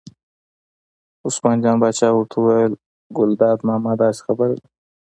عثمان جان پاچا ورته وویل: ګلداد ماما داسې خبره ده.